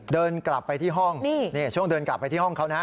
เดินกลับไปที่ห้องนี่ช่วงเดินกลับไปที่ห้องเขานะ